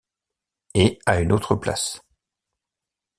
Et à une autre place.